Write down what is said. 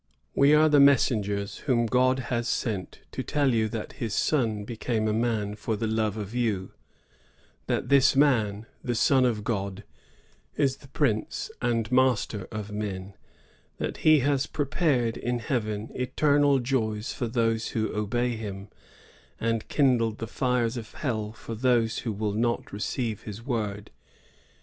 We are the messengers whom God has sent to tell you that his Son became a man for the love of you ; that this man, the Son of God, is the prince and master of men; that he has prepared in heaven eternal joys for those who obey him, and kindled the fires of hell for those who will not receive his word.